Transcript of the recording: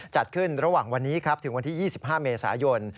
จัดขึ้นระหว่างวันนี้ครับถึงวันที่๒๕เมษายน